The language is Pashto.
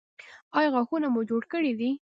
ایا غاښونه مو جوړ کړي دي؟